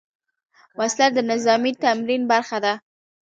وسله د نظامي تمرین برخه ده